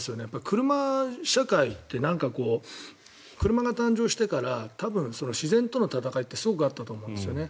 車社会って車が誕生してから多分、自然との闘いってすごくあったと思うんですよね。